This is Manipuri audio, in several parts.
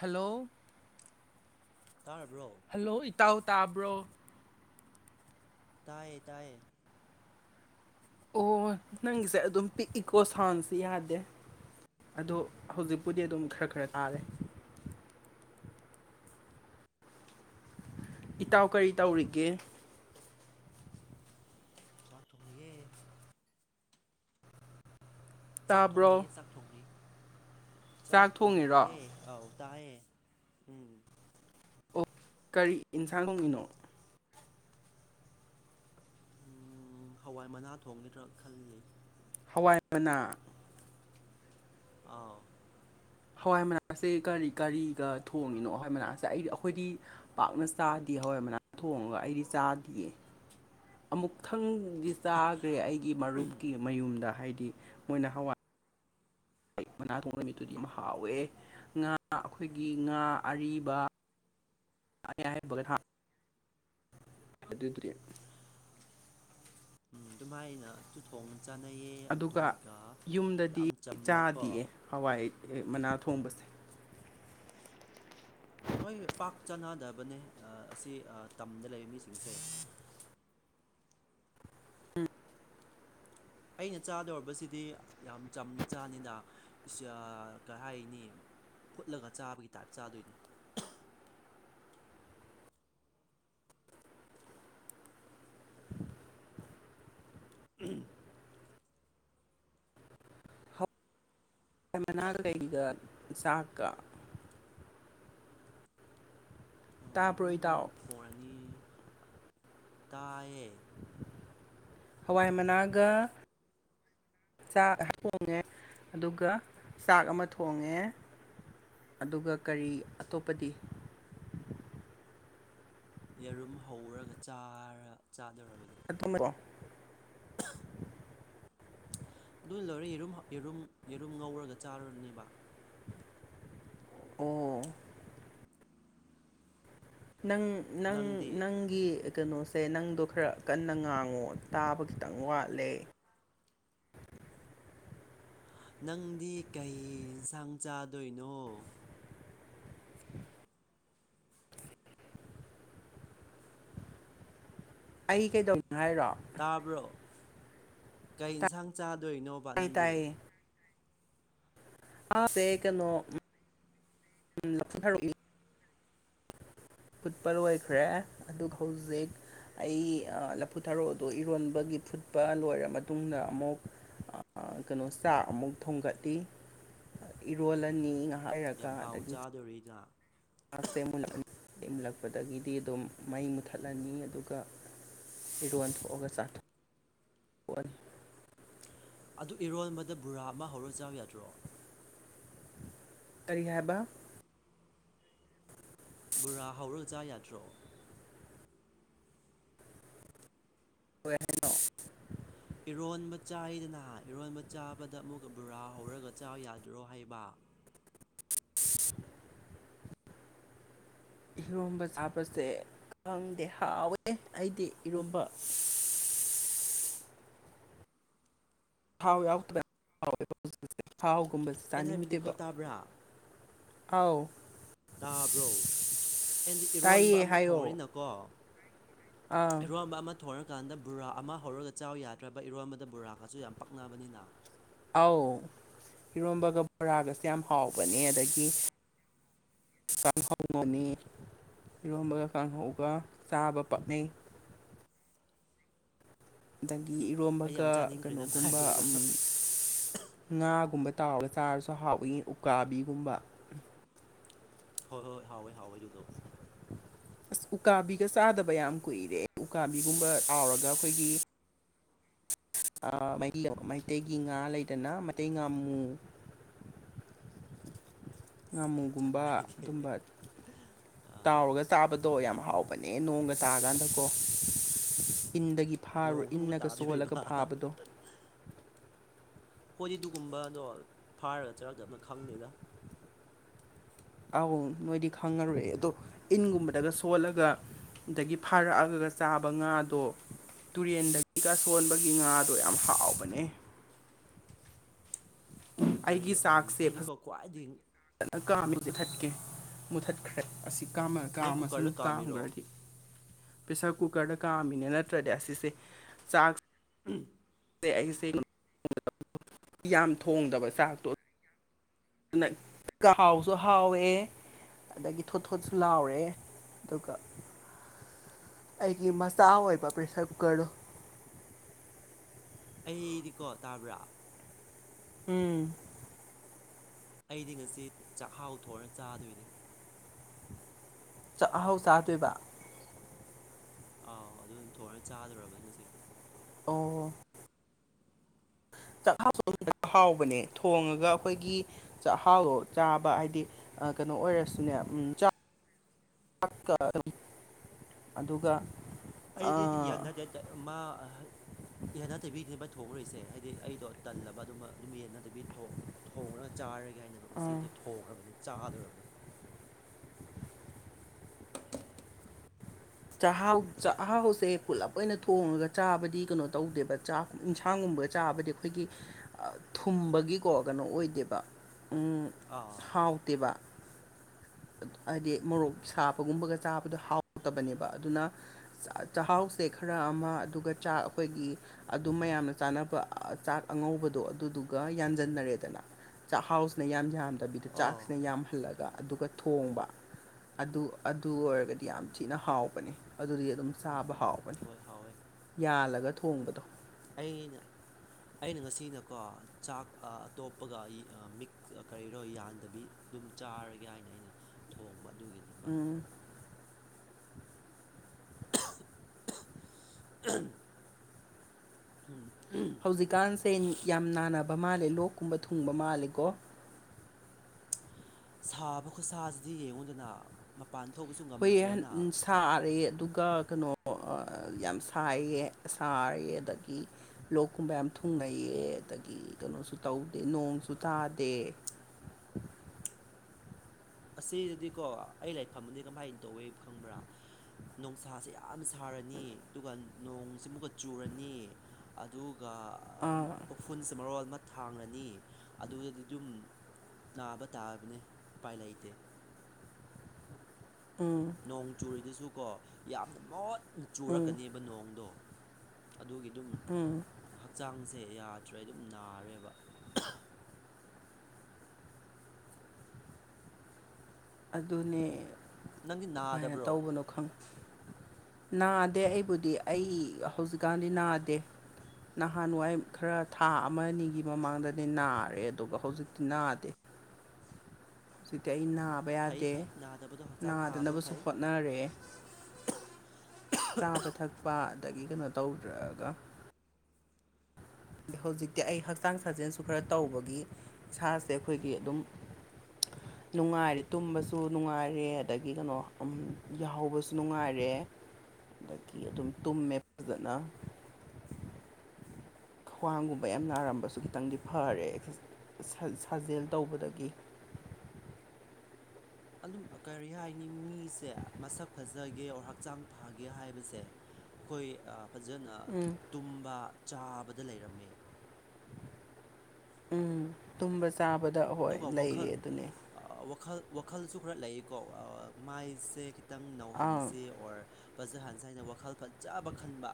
ꯍꯂꯣ ꯇꯥꯔꯕ꯭ꯔꯣ ꯍꯜꯂꯣ ꯏꯇꯥꯎ ꯇꯥꯕ꯭ꯔꯣ ꯇꯥꯏꯌꯦ ꯇꯌꯦ ꯑꯣ ꯅꯪꯒꯤꯁꯦ ꯑꯗꯨꯝ ꯄꯤꯛ ꯏꯀꯣ ꯁꯥꯎꯟꯁꯦ ꯌꯥꯗꯦ ꯑꯗꯣ ꯍꯧꯖꯤꯛꯄꯨꯗꯤ ꯑꯗꯨꯝ ꯈꯔ ꯈꯔ ꯇꯥꯔꯦ ꯏꯇꯥꯎ ꯀꯔꯤ ꯇꯧꯔꯤꯒꯦ ꯆꯥꯛ ꯊꯣꯡꯉꯤꯌꯦ ꯆꯥꯛ ꯇꯥꯕ꯭ꯔꯣ ꯊꯣꯡꯅꯔꯤꯌꯦ ꯆꯥꯛ ꯊꯣꯡ ꯆꯥꯛ ꯊꯣꯡꯔꯤꯌꯦ ꯑꯥꯎ ꯇꯥꯏꯌꯦ ꯎꯝ ꯑꯣ ꯀꯔꯤ ꯏꯟꯁꯥꯡ ꯊꯣꯡꯉꯅꯣ ꯎ ꯍꯋꯥꯏ ꯃꯅꯥ ꯊꯣꯡꯒꯗ꯭ꯔꯥ ꯈꯜꯂꯤ ꯍꯋꯥꯏ ꯃꯅꯥ ꯑꯥꯎ ꯍꯋꯥꯏ ꯃꯅꯥꯁꯦ ꯀꯔꯤ ꯀꯔꯤꯒ ꯊꯣꯡꯉꯤꯅꯣ ꯍꯋꯥꯏ ꯃꯅꯥꯁꯦ ꯑꯩꯗꯤ ꯑꯩꯈꯣꯏꯗꯤ ꯄꯥꯛꯅ ꯆꯥꯗꯤ ꯍꯋꯥꯏ ꯃꯅꯥ ꯊꯣꯡꯉꯒ ꯑꯩꯗꯤ ꯆꯥꯗꯌꯦ ꯑꯃꯨꯛ ꯃꯊꯪꯗꯤ ꯆꯥꯈ꯭ꯔꯦ ꯑꯩꯒꯤ ꯃꯔꯨꯞꯀꯤ ꯃꯌꯨꯝꯗ ꯍꯥꯏꯗꯤ ꯃꯣꯏꯅ ꯍꯋꯥꯏ ꯃꯅꯥ ꯊꯣꯡꯕ ꯅꯨꯃꯤꯠꯇꯨꯗꯤ ꯌꯥꯝ ꯍꯥꯎꯋꯦ ꯉꯥ ꯑꯩꯈꯣꯏꯒꯤ ꯉꯥ ꯑꯔꯤꯕ ꯑꯩ ꯍꯥꯏ ꯂꯦꯠ ꯍꯥꯥꯟ ꯊꯗ꯭ꯔꯤ ꯎꯝ ꯑꯗꯨꯝ ꯍꯥꯏꯥꯏꯅ ꯑꯗꯨ ꯊꯣꯡꯉꯅꯤ ꯆꯥꯅꯩꯌꯦ ꯑꯗꯨꯒ ꯌꯨꯝꯗꯗꯤ ꯌꯥꯝ ꯆꯝꯅꯀꯣ ꯆꯥꯗꯤꯌꯦ ꯍꯋꯥꯏ ꯃꯅꯥ ꯊꯣꯡꯕꯁꯦ ꯍꯣꯏ ꯄꯥꯛ ꯆꯥꯅꯗꯕꯅꯦ ꯑꯁꯤ ꯇꯝꯗ ꯂꯩꯕ ꯃꯤꯁꯤꯡꯁꯦ [inaudible] ꯑꯩꯅ ꯆꯥꯗꯧꯔꯤꯕꯁꯤꯗꯤ ꯌꯥꯝ ꯆꯝꯅ ꯆꯥꯅꯤꯅ ꯀꯩ ꯍꯥꯏꯅꯤ ꯐꯨꯠꯂꯒ ꯆꯥꯕꯒꯤ ꯇꯥꯏꯞ ꯆꯥꯗꯣꯏꯅꯦ ꯎꯝ ꯄꯔꯃꯅꯥꯒ ꯂꯩꯩꯍꯤꯒ ꯒꯥ ꯆꯥꯛꯀꯥ [inaudible] ꯇꯌꯦ ꯍꯋꯥꯏ ꯃꯅꯥꯒ ꯆꯥꯛ ꯊꯣꯡꯉꯦ ꯑꯗꯨꯒ ꯆꯥꯛ ꯑꯃ ꯊꯣꯡꯉꯦ ꯑꯗꯨꯒ ꯀꯔꯤ ꯑꯇꯣꯞꯄꯗꯤ ꯌꯦꯔꯨꯝ ꯍꯧꯔꯒ ꯆꯥꯗꯔ ꯠꯇꯣꯃꯦꯣ [unintelligible] ꯑꯗꯨ ꯂꯧꯣꯏꯔꯦ ꯌꯦꯨꯝ ꯌꯦꯔꯨꯝ ꯌꯦꯔꯨꯝ ꯉꯧꯔꯒ ꯆꯥꯔꯨꯔꯅꯦꯕ ꯑꯣ ꯅꯪ ꯅꯪ ꯅꯪꯗꯤ ꯅꯪꯒꯤ ꯀꯩꯅꯣꯁꯦ ꯅꯪꯗꯣ ꯈꯔ ꯀꯟꯅ ꯉꯥꯡꯉꯣ ꯇꯥꯕ ꯈꯤꯇꯪ ꯋꯥꯠꯂꯦ ꯅꯪꯗꯤ ꯀꯩ ꯌꯦꯟꯁꯥꯡ ꯆꯥꯗꯣꯏꯅꯣ ꯑꯩ ꯀꯩꯗꯧꯅꯤ ꯍꯥꯏꯔꯣ ꯇꯥꯕ꯭ꯔꯣ ꯀꯩ ꯌꯦꯟꯁꯥꯡ ꯆꯥꯗꯣꯏꯅꯣꯕ ꯅꯪꯗꯤ ꯑ ꯇꯗꯦ ꯅꯣ ꯎꯝꯨꯡ ꯊꯔꯛꯏ [unintelligible] ꯐꯨꯠꯄ ꯑꯣꯏꯈ꯭ꯔꯦ ꯑꯗꯨꯒ ꯍꯧꯖꯤꯛ ꯑꯩ ꯂꯐꯨ ꯊꯔꯣ ꯑꯗꯨ ꯏꯔꯣꯟꯕꯒꯤ ꯐꯨꯠꯄ ꯂꯣꯏꯔ ꯃꯇꯨꯡꯗ ꯑꯃꯨꯛ ꯀꯩꯅꯣ ꯆꯥꯛ ꯑꯃꯨꯛ ꯊꯣꯡꯒꯠꯂꯤ ꯏꯔꯣꯜꯂꯅꯤ ꯉꯥꯏꯍꯥꯛ ꯉꯥꯏꯍꯛ ꯂꯩꯔꯒꯥ ꯌꯥꯝ ꯑꯗꯥ ꯍꯥꯎꯅ ꯆꯥꯗꯣꯔꯤꯅ ꯃꯥꯛꯁꯦꯨ ꯃꯨꯜꯂꯛꯄꯗꯒꯤꯗꯤ ꯑꯗꯨꯝ ꯃꯩ ꯃꯨꯠꯊꯠꯂꯅꯤ ꯑꯗꯨꯒ ꯏꯔꯣꯟ ꯊꯣꯛ ꯑꯒ ꯆꯊꯣꯛ ꯑꯅꯤ ꯑꯗꯨ ꯏꯔꯣꯟꯕꯗ ꯕꯣꯔꯥ ꯑꯃ ꯍꯧꯔꯒ ꯆꯥꯎꯕ ꯌꯥꯗ꯭ꯔꯣ ꯀꯔꯤ ꯍꯥꯏꯕ ꯕꯣꯔꯥ ꯍꯧꯔꯣꯖꯥ ꯌꯥꯗ꯭ꯔꯣ ꯀꯍꯅꯣ [unintelligible] ꯏꯔꯣꯟꯕ ꯆꯥꯏꯗꯅ ꯏꯔꯣꯟꯕ ꯆꯥꯕꯗ ꯑꯃꯨꯛꯀ ꯕꯣꯔꯥ ꯍꯧꯔꯒ ꯆꯥ ꯌꯥꯗ꯭ꯔꯣ ꯍꯥꯏꯩꯕ [inaudible] [inaudible] ꯏꯔꯣꯝꯕ ꯆꯥꯕꯁꯦ ꯈꯪꯗꯦ ꯍꯥꯎꯋꯦ ꯑꯩꯗꯤ ꯏꯔꯣꯝꯕ [inaudible] [inaudible] ꯊꯥꯎ ꯌꯥꯎꯗꯕꯕ ꯊꯥꯎꯒꯨꯝꯕꯁꯦ ꯑꯩꯅ ꯍꯥꯏꯕꯗꯤꯀꯣ ꯆꯥꯅꯤꯡꯗꯦꯕ ꯇꯥꯕ꯭ꯔꯥ ꯑꯥꯎ ꯇꯥꯕ꯭ꯔꯣ ꯑꯗꯤ ꯏꯔꯣꯟꯕ ꯇꯥꯏꯌꯦ ꯑꯃ ꯍꯥꯏꯌꯣ ꯊꯣꯡꯅꯤꯅꯀꯣ ꯑꯥ ꯏꯔꯣꯟꯕ ꯑꯃ ꯊꯣꯡꯅꯤꯅꯀꯣ ꯑꯗꯨ ꯀꯥꯟꯗ ꯕꯕꯨꯔꯥ ꯑꯃ ꯍꯧꯔꯒ ꯆꯥꯎ ꯌꯥꯗ꯭ꯔꯕ ꯏꯔꯣꯟꯕꯗ ꯕꯔꯥꯒꯁꯨ ꯌꯥꯝ ꯄꯛꯅꯕꯅꯤꯅ ꯑꯧ ꯏꯔꯣꯝꯕꯒ ꯕꯣꯔꯥꯒꯁꯨꯦ ꯌꯥꯝ ꯍꯥꯎꯕꯅꯦ ꯑꯗꯒꯤ ꯁꯪ ꯍꯅꯣꯅꯤ ꯏꯔꯣꯝꯕꯒ ꯀꯥꯡꯍꯧꯒ ꯆꯥꯕ ꯄꯛꯅꯩ ꯑꯗꯒꯤ ꯑꯩ ꯏꯔꯣꯝꯕꯒ ꯌꯥꯝ ꯆꯥꯅꯤꯡꯈ꯭ꯔꯦ ꯅꯪ ꯀꯩꯅꯣꯒꯨꯝꯕ ꯍꯥꯏꯔꯨꯔꯒ ꯉꯥꯒꯨꯝꯕ ꯇꯥꯎꯔ ꯆꯥꯔꯁꯨ ꯍꯥꯎꯏ ꯎꯀꯥꯕꯤꯒꯨꯝꯕ ꯍꯣꯏ ꯍꯣꯏ ꯍꯥꯎꯑꯣꯣꯏ ꯍꯥꯎꯣꯏ ꯌꯨꯗꯣ ꯑꯁ ꯎꯀꯥꯕꯤꯒ ꯆꯥꯗꯕ ꯌꯥꯝ ꯀꯨꯏꯔꯦ ꯎꯀꯥꯕꯤꯒꯨꯝꯕ ꯇꯥꯎꯔꯒ ꯑꯩꯈꯣꯏꯒꯤ ꯑ ꯃꯩꯂ ꯃꯇꯩꯒꯤ ꯏ ꯍꯥ ꯂꯩꯥꯏꯗꯅ ꯃꯇꯩ ꯉ ꯑꯃꯨ ꯑꯁ ꯀꯩ ꯉꯥꯃꯨꯒꯨꯝꯕ ꯆꯥꯟꯅꯔꯤꯒꯦ ꯑꯗꯨꯝꯕ ꯇꯥꯎꯔꯒ ꯆꯥꯕꯗꯣ ꯌꯥꯝ ꯍꯥꯎꯕꯅꯦ ꯅꯣꯡꯒ ꯇꯥꯀꯥꯟꯗꯀꯣ ꯏꯟꯗꯒꯤ ꯐꯥꯔꯣ ꯅꯣꯡꯁꯨ ꯑꯃꯨꯛꯀ ꯏꯟꯅꯒ ꯆꯣꯜꯂꯒ ꯇꯥꯗꯣꯔꯤꯕ ꯐꯥꯕꯗꯣ ꯍꯣꯏꯗꯤ ꯑꯗꯨꯒꯨꯝꯕꯗꯣ ꯐꯥꯔꯒ ꯆꯥꯗꯕꯔꯥ ꯈꯪꯗꯦꯗ ꯑꯧ ꯅꯣꯏꯗꯤ ꯈꯪꯉꯔꯣꯏꯦ ꯑꯗꯣ ꯏꯟꯒꯨꯝꯕꯗꯒ ꯁꯣꯜꯂꯒ ꯑꯗꯒꯤ ꯐꯥꯔꯛꯑꯒꯒ ꯆꯥꯕ ꯉꯥꯗꯣ ꯇꯨꯔꯦꯟꯗꯒꯤꯒ ꯁꯣꯟꯕꯒꯤ ꯉꯥꯗꯣ ꯌꯥꯝ ꯍꯥꯎꯕꯅꯦ ꯀꯔꯤ ꯑꯩꯒꯤ ꯆꯥꯛꯁꯦ ꯑꯩꯗꯤꯀꯣ ꯈ꯭ꯋꯥꯏꯗꯒꯤ ꯐꯖꯖꯅ ꯀꯥꯝꯃꯤꯁꯦ ꯊꯠꯀꯦ ꯃꯨꯊꯠꯈ꯭ꯔꯦ ꯑꯁꯤ ꯀꯥꯝꯃ ꯅꯪ ꯀꯨꯀꯔꯗ ꯀꯥꯝꯃꯁꯅꯨ ꯀꯥꯝꯃꯤꯔꯣ ꯀꯥꯝꯒꯔꯗꯤ ꯄꯦꯁꯔ ꯀꯨꯀꯔꯗ ꯀꯥꯝꯃꯤꯅꯦ ꯅꯠꯇ꯭ꯔꯗꯤ ꯑꯁꯤꯁꯦ ꯆꯥꯛ ꯎꯝ ꯑꯦ ꯑꯩꯁꯦ ꯌꯥꯝ ꯊꯣꯡꯗꯕ ꯆꯥꯛꯇꯣ ꯑꯗꯨꯅ ꯍꯥꯎꯁꯨ ꯍꯥꯎꯋꯦ ꯑꯗꯒꯤ ꯊꯣꯠ ꯊꯣꯠꯁꯨ ꯂꯥꯎꯔꯦ ꯑꯗꯨꯒ ꯑꯩꯒꯤ ꯃꯆꯥ ꯑꯣꯏꯕ ꯄ꯭ꯔꯦꯁꯔ ꯀꯨꯀꯔ ꯗꫭ ꯑꯩꯗꯤꯀꯣ ꯇꯥꯕ꯭ꯔꯥ ꯎꯝ ꯑꯩꯗꯤ ꯉꯁꯤ ꯆꯥꯛꯍꯥꯎ ꯊꯣꯡꯉ ꯆꯥꯗꯣꯏꯅꯦ ꯆꯥꯛ ꯍꯥꯎ ꯆꯥꯗꯣꯏꯕ ꯑꯧ ꯑꯗꯨ ꯊꯣꯡꯉ ꯆꯥꯗꯔꫭꯕꯅꯤ ꯉꯁꯤ ꯑꯣ ꯆꯥꯛꯍꯥꯎꯁꯨ ꯑꯗꯨ ꯍꯥꯎꯕꯅꯦ ꯊꯣꯡꯉꯒ ꯑꯩꯈꯣꯏꯒꯤ ꯆꯥꯛꯍꯥꯎꯗꯣ ꯆꯥꯕ ꯍꯥꯏꯗꯤ ꯑ ꯀꯩꯅꯣ ꯑꯣꯏꯔꯁꯨꯅꯦ ꯎꯝ ꯆꯥꯛ ꯆꯥꯛ ꯀ ꯑꯗꯨꯝ ꯑꯗꯨꯒ ꯑꯩꯗꯤꯗꯤ ꯑꯥ ꯌꯥꯟꯅꯗꯦꯗ ꯑꯝꯃ ꯌꯥꯟꯅꯗꯕꯤꯗꯅꯦꯕ ꯊꯣꯡꯉꯨꯔꯨꯏꯁꯦ ꯍꯥꯏꯗꯤ ꯑꯩꯗꯣ ꯇꯜꯂꯕ ꯑꯗꯨꯝ ꯑꯗꯨꯝ ꯌꯦꯟꯅꯗꯕꯤ ꯊꯣꯡ ꯊꫭꯡꯉꯒ ꯆꯥꯔꯒꯦ ꯍꯥꯏꯅꯀꯣ ꯑꯥ ꯉꯁꯤꯗꯤ ꯊꯣꯡꯈ꯭ꯔꯕꯅꯦ ꯆꯥ ꯍꯥꯗꫭꯔꯕꯅꯦ [inaudible] [unintelligible] ꯆꯥꯛꯍꯥꯎ ꯆꯥꯛꯍꯥꯎꯁꯦ ꯄꯨꯜꯂꯞ ꯑꯣꯏꯅ ꯊꯣꯡꯉꯒ ꯆꯥꯕꯗꯤ ꯀꯩꯅꯣ ꯇꯧꯗꯦꯕ ꯆꯥꯛ ꯏꯟꯁꯥꯡꯒꯨꯝꯕ ꯒꯨꯝꯕ ꯆꯥꯕꯗꯤ ꯑꯩꯈꯣꯏꯒꯤ ꯊꯨꯝꯕꯒꯤꯀꯣ ꯀꯩꯅꯣ ꯑꯣꯏꯗꯦꯕ ꯎꯝ ꯑꯥ ꯍꯥꯎꯇꯦꯕ ꯍꯥꯏꯗꯤ ꯃꯣꯔꯣꯛ ꯁꯥꯕꯒꯨꯝꯕꯒ ꯆꯥꯕꯗ ꯍꯥꯎꯇꯕꯅꯦꯕ ꯑꯗꯨꯅ ꯆ ꯆꯥꯛꯍꯥꯎ ꯁꯦ ꯈꯔ ꯑꯃ ꯑꯗꯨꯒ ꯆꯥꯛ ꯑꯩꯈꯣꯏꯒꯤ ꯑꯗꯨꯝ ꯃꯌꯥꯝꯅ ꯆꯥꯅꯕ ꯆꯥꯛ ꯑꯉꯧꯕꯗꯣ ꯑꯗꯨ ꯑꯗꯨꯒ ꯌꯥꯟꯖꯟꯅꯔꯦꯗꯅ ꯆꯥꯛꯍꯥꯎꯁꯤꯅ ꯌꯥꯝ ꯌꯥꯝꯗꯕꯤꯗ ꯑꯥ ꯆꯥꯛꯁꯤꯅ ꯌꯥꯝꯍꯜꯂꯒ ꯑꯗꯨꯒ ꯊꯣꯡꯕ ꯑꯗꯨ ꯑꯗꯨ ꯑꯣꯏꯔꯒꯗꯤ ꯌꯥꯝ ꯊꯤꯅ ꯍꯥꯎꯕꯅꯦ ꯑꯗꯨꯗꯤ ꯑꯗꯨꯝ ꯆꯥꯕ ꯍꯥꯎꯕꯅꯤ ꯍꯣꯏ ꯍꯥꯎꯋꯦ ꯌꯥꯜꯂꯒ ꯊꯣꯡꯕꯗꯣ ꯁꯤꯅꯀꯣ ꯆꯥꯛ ꯑꯇꯣꯞꯄꯒ ꯃꯤꯛꯁ ꯀꯔꯤꯔꯣ ꯌꯥꯟꯗꯕꯤ ꯑꯗꯨꯝ ꯆꯥꯔꯦ ꯔꯒꯦ ꯍꯥꯏꯅ ꯑꯩꯅ ꯊꯣꯡꯕ ꯑꯗꯨꯒꯤꯅꯦꯕ ꯎꯝ ꯑꯍꯨ ꯑꯍꯨ ꯑꯝ ꯎꯝ ꯕ ꯃꯥꯜꯂꯦ ꯂꯣꯛꯀꯨꯝꯕ ꯊꯨꯡꯕ ꯃꯥꯜꯂꯦꯀꯣ ꯁꯥꯕ ꯈꯨꯠꯁꯥꯁꯤꯗꯤ ꯌꯦꯡꯉꯨꯗꯅ ꯃꯄꯥꯟ ꯊꯣꯛꯄꯁꯨ ꯍꯨꯏꯌꯦꯟ ꯉꯝꯗ꯭ꯔꯦꯅ ꯎꯝ ꯁꯥꯔꯦ ꯑꯗꯨꯒ ꯀꯩꯅꯣ ꯑꫭ ꯌꯥꯝ ꯁꯥꯏꯑꯦ ꯁꯥꯏꯌꯦ ꯑꯗꯒꯤ ꯂꯣꯛꯀꯨꯝꯕ ꯌꯥꯝ ꯊꯨꯡꯅꯩꯌꯦ ꯑꯗꯒꯤ ꯀꯩꯅꯣꯁꯨ ꯇꯧꯗꯦ ꯅꯣꯡꯁꯨ ꯇꯥꯗꯦ ꯑꯁꯤꯗꯗꯤꯀꯣ ꯑꯩ ꯂꯥꯏꯛꯐꯝꯅꯅꯤꯒꯝ ꯀꯃꯥꯏꯅ ꯇꯧꯋꯦ ꯈꯪꯕ꯭ꯔꯥ ꯅꯨꯡꯁꯥꯁꯦ ꯌꯥꯝ ꯌꯥꯝ ꯁꯥꯔꯅꯤ ꯑꯗꯨꯒ ꯅꯣꯡꯁꯤꯃꯨꯛꯀ ꯆꯨꯔꯅꯤ ꯑꯗꯨ ꯑꯗꯨꯒ ꯑꯥ ꯎꯐꯨꯟꯁꯦ ꯃꯔꯣꯜꯃ ꯊꯥꯡꯂꯅꯤ ꯑꯗꯨꯗꯗꯤ ꯑꯗꯨꯝ ꯅꯥꯕ ꯇꯥꯔꯕꯅꯦ ꯎꯄꯥꯏ ꯂꯩ ꯇꯦ ꯎꯝ ꯅꯣꯡ ꯆꯨꯔꯤꯗꯨꯁꯨ ꯀꯣ ꯌꯥꯝꯅ ꯃꯣꯠꯅ ꯎꯝ ꯆꯨꯔꯛꯀꯅꯦꯕ ꯅꯣꯡꯗꯣ ꯑꯗꯨꯒꯤꯗꯨꯝ ꯎꯝ ꯍꯛꯆꯥꯡꯁꯦ ꯌꯥꯗ꯭ꯔꯦ ꯑꯗꯨꯝ ꯅꯥꯔꯦꯕ ꯑꯗꯨꯅꯦ ꯅꯪꯗꯤ ꯀꯃꯥꯏꯅ ꯅꯥꯗꯕ꯭ꯔꯣ ꯇꯧꯕꯅꯣ ꯈꯪ ꯅꯥꯗꯦ ꯑꯩꯕꯨꯗꯤ ꯑꯩ ꯍꯧꯖꯤꯛꯀꯥꯟꯗꯤ ꯅꯥꯗꯦ ꯅꯍꯥꯟꯋꯥꯏ ꯈꯔ ꯊꯥ ꯑꯃ ꯑꯅꯤꯒꯤ ꯃꯃꯥꯡꯗꯗꯤ ꯅꯥꯔꯦ ꯑꯗꯨꯒ ꯍꯧꯖꯤꯛꯇꯤ ꯅꯥꯗꯦ ꯍꯧꯖꯤꯛꯇꯤ ꯑꯩ ꯅꯥꯕ ꯐꯩ ꯌꯥꯗꯦ ꯐꯩ ꯅꯥꯗꯕꯗꯣ ꯍꯛꯆꯥꯡ ꯐꯥꯕꯗꯣ ꯅꯥꯗꯅꯕꯁꯨ ꯐꯩ ꯍꯣꯠꯅꯔꯦ ꯆꯥꯕ ꯊꯛꯄ ꯑꯗꯒꯤ ꯀꯩꯅꯣ ꯇꯧꯗꯔꯒ ꯑ ꯍꯧꯖꯤꯛꯇꯤ ꯑꯩ ꯍꯛꯆꯥꯡ ꯁꯥꯖꯦꯜꯁꯨ ꯈꯔ ꯇꯧꯕꯒꯤ ꯁꯥꯥꯁꯦ ꯑꯩꯈꯣꯏꯒꯤ ꯑꯗꯨꯝ [inaudible] ꯅꯨꯡꯉꯥꯏꯔꯦ ꯇꯨꯝꯕꯁꯨ ꯅꯨꯡꯉꯥꯏꯔꯦ ꯑꯗꯒꯤ ꯀꯩꯅꯣ ꯌꯥꯍꯧꯕꯁꯨ ꯅꯨꯡꯉꯥꯏꯔꯦ ꯑꯗꯒꯤ ꯑꯗꯨꯝ ꯇꯨꯝꯃꯦ ꯐꯖꯅ ꯈ꯭ꯋꯥꯡꯒꯨꯝꯕ ꯌꯥꯝ ꯅꯥꯔꯝꯕꯁꯨ ꯑꯣ ꯈꯤꯇꯪꯗꯤ ꯐꯔꯦꯛ ꯁꯥꯖꯦꯜ ꯇꯧꯕꯗꯒꯤ [inaudible] ꯑꯗꯨꯝ ꯀꯔꯤ ꯍꯥꯏꯅꯤ ꯃꯤꯁꯦ ꯃꯁꯛ ꯐꯖꯒꯦ ꯑꯣꯔ ꯍꯛꯆꯥꯡ ꯐꯒꯦ ꯍꯥꯏꯕꯁꯦ ꯑꯩꯈꯣꯏ ꯐꯖꯅ ꯎꯝ ꯇꯨꯝꯕ ꯆꯥꯕꯗ ꯂꯩꯔꯝꯃꯦ ꯎꯝ ꯇꯨꯝꯕ ꯆꯥꯕꯗ ꯍꯣꯏ ꯑꯗꯨꯒ ꯋꯥꯈꯜ ꯂꯩꯔꯦ ꯑꯗꯨꯅꯦ ꯋꯥꯈꯜ ꯋꯥꯈꯜꯁꯨ ꯈꯔ ꯂꯩꯀꯣ ꯃꯥꯏꯁꯦ ꯈꯤꯇꯪ ꯑꯥ ꯅꯧꯍꯟꯁꯤ ꯑꯣꯔ ꯐꯖꯍꯟꯁ ꯍꯥꯏꯅ ꯋꯥꯈꯜ ꯐꯖꯕ ꯈꯟꯕ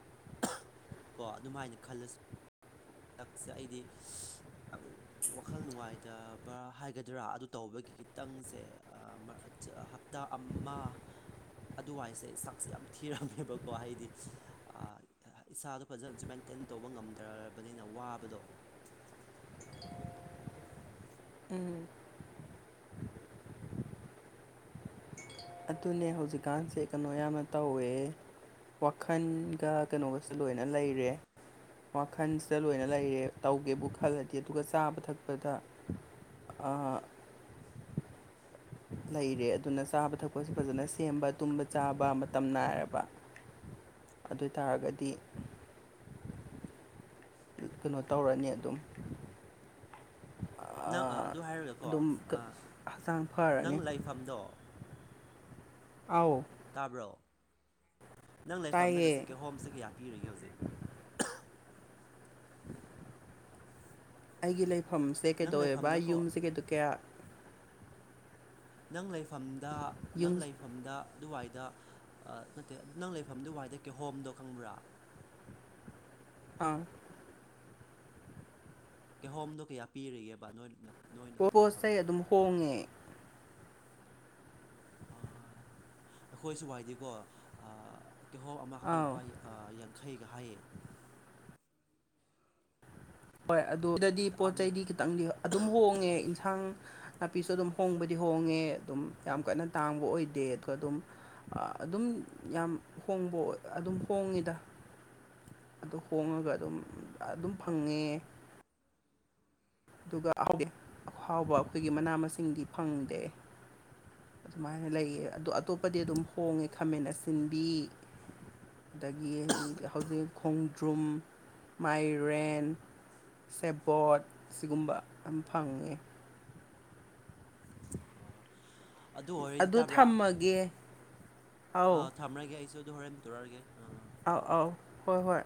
ꯀꯣ ꯑꯗꯨꯝꯥꯏꯅ ꯈꯜꯂꯁꯨ ꯍꯟꯗꯛꯁꯦ ꯑꯩꯗꯤꯈꯤ ꯋꯥꯈꯜ ꯅꯨꯡꯉꯥꯏꯗ ꯕ ꯍꯥꯏꯒꯗ꯭ꯔꯥ ꯑꯗꯨ ꯇꯧꯕꯒꯤ ꯈꯤꯇꯪꯁꯦ ꯍꯞꯇꯥ ꯑꯃ ꯑꯗꯨꯋꯥꯏꯁꯦ ꯁꯛꯁꯦ ꯌꯥꯝ ꯊꯤꯔꯝꯃꯦꯕꯀꯣ ꯍꯥꯏꯗꯤ ꯏꯁꯥꯗꯣ ꯐꯖꯅꯁꯨ ꯃꯦꯟꯇ ꯔꯕꯅꯤꯅ ꯎꯝ ꯑꯗꯨꯅꯦ ꯍꯧꯖꯤꯛꯀꯥꯟꯁꯦ ꯀꯩꯅꯣ ꯌꯥꯝꯅ ꯇꯧꯋꯦ ꯋꯥꯈꯜꯒ ꯀꯩꯅꯣꯒꯁꯨ ꯂꯣꯏꯅ ꯂꯩꯔꯦ ꯋꯥꯈꯜꯁꯤꯗ ꯂꯣꯏꯅ ꯂꯩꯔꯦ ꯇꯧꯒꯦꯕꯨ ꯈꯜꯂꯗꯤ ꯑꯗꯨꯒ ꯆꯥꯕ ꯊꯛꯄꯗ ꯑ ꯂꯩꯔꯦ ꯑꯗꯨꯅ ꯆꯥꯕ ꯊꯛꯄꯁꯨ ꯐꯖꯅ ꯁꯦꯝꯕ ꯇꯨꯝꯕ ꯆꯥꯕ ꯃꯇꯝ ꯅꯥꯏꯔꯕ ꯑꯗꯨ ꯑꯣꯏ ꯇꯥꯔꯒꯗꯤ ꯀꯩꯅꯣ ꯇꯧꯔꯅꯤ ꯑꯗꯨꯝ ꯅꯪ ꯑꯗꯨ ꯍꯥꯏꯔꯒꯀꯣ ꯑꯗꯨꯝ ꯍꯛꯆꯥꯡ ꯅꯪ ꯐꯔꯅꯤ ꯂꯩꯐꯝꯗꯣ ꯑꯥꯎ ꯇꯥꯕ꯭ꯔꯣ ꯅꯪ ꯂꯩꯐꯝꯗ ꯉꯖꯤ ꯇꯥꯏꯌꯦ ꯀ ꯍꯣꯝꯁꯦ ꯀꯌꯥ ꯄꯤꯔꯤꯒꯦ ꯍꯧꯖꯤꯛ ꯑꯩꯒꯤ ꯂꯩꯐꯝꯁꯦ ꯅꯪ ꯀꯩꯗꯧꯋꯦꯕ ꯂꯩꯐꯝꯗꯀꯣ ꯌꯨꯝꯁꯦ ꯀꯩꯗ ꯀꯌꯥ ꯅꯪ ꯂꯩꯐꯝꯗ ꯅꯪ ꯌꯨꯝ ꯂꯩꯐꯝꯗ ꯑꯗꯨꯋꯥꯏꯗ ꯅꯠꯇꯦ ꯅꯪ ꯂꯩꯐꯝ ꯑꯗꯨꯋꯥꯏꯗ ꯀꯦꯍꯣꯝꯗꯣ ꯈꯪꯕ꯭ꯔꯥ ꯑꯥ ꯀꯩꯍꯣꯝꯗꯣ ꯀꯌꯥ ꯄꯤꯔꯤꯒꯦꯕ ꯅꯣꯏ ꯅꯣꯏꯅ ꯄꯣꯁꯥꯏ ꯂꯩꯐꯝꯗ ꯑꯗꯨꯝ ꯍꯣꯡꯉꯦ ꯑ ꯑꯩꯈꯣꯏꯁꯨ ꯋꯥꯏꯗꯤꯀꯣ ꯀꯦꯍꯣ ꯑꯃꯈꯛꯇ ꯂꯨꯄꯥ ꯑꯥꯎ ꯌꯥꯡꯈꯩꯒ ꯍꯥꯏꯌꯦ ꯍꯣꯏ ꯑꯗꯨꯗꯗꯤ ꯄꯣꯠ ꯇꯥꯡꯉꯦ ꯆꯩꯗꯤ ꯈꯤꯇꯪꯗꯤ ꯑꯗꯨꯝ ꯍꯣꯡꯉꯦ ꯏꯟꯁꯥꯡ ꯅꯥꯄꯤꯁꯨ ꯑꯗꯨꯝ ꯍꯣꯡꯕꯗꯤ ꯍꯣꯡꯉꯦ ꯑꯗꯨꯝ ꯌꯥꯝ ꯀꯟꯅ ꯇꯥꯡꯕ ꯑꯣꯏꯗꯦ ꯑꯗꯨꯒ ꯑꯗꯨꯝ ꯑꯗꯨꯝ ꯌꯥꯝ ꯍꯣꯡꯕ ꯑꯗꯨꯝ ꯍꯣꯡꯉꯤꯗ ꯑꯗꯨ ꯍꯣꯡꯉꯒ ꯑꯗꯨꯝ ꯑꯗꯨꯝ ꯐꯪꯉꯦ ꯑꯗꯨꯒ ꯑꯍꯥꯎꯕ ꯑꯩꯈꯣꯏꯒꯤ ꯃꯅꯥ ꯃꯁꯤꯡꯗꯤ ꯐꯪꯗꯦ ꯑꯗꯨꯃꯥꯏꯅ ꯂꯩꯌꯦ ꯑꯣ ꯑꯇꯣꯞꯄꯗꯤ ꯑꯗꯨꯝ ꯍꯣꯡꯉꯦ ꯈꯥꯃꯦꯟ ꯑꯁꯤꯟꯕꯤ ꯑꯗꯒꯤ ꯍꯧꯖꯤꯛ ꯈꯣꯡꯗ꯭ꯔꯨꯝ ꯃꯥꯏꯔꯦꯟ ꯁꯦꯕꯣꯠ ꯁꯤꯒꯨꯝꯕ ꯑꯃ ꯐꯪꯉꯦ ꯑꯗꯨ ꯊꯝꯃꯒꯦ ꯑꯧ ꯑ ꯊꯝꯃꯔꯥꯒꯦ ꯍꯥꯏꯁꯁꯨ ꯑꯗꯨ ꯍꯣꯔꯔꯦꯟ ꯇꯧꯔꯥꯔꯒꯦ ꯑꯥꯎ ꯑꯥꯎ ꯍꯣꯏ ꯍꯣꯏ